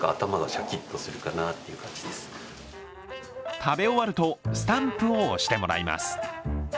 食べ終わるとスタンプを押してもらいます。